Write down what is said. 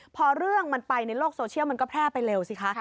พอเรื่องมันไปในโลกโซเชียลมันก็แพร่ไปเร็วสิคะ